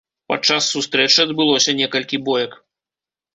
Падчас сустрэчы адбылося некалькі боек.